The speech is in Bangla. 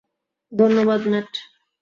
ধন্যবাদ, ম্যাট।